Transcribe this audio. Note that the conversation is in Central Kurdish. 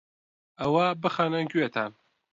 ئەوە بخەنە گوێتان